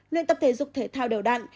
luyện tập thể dục thể thao đều đặn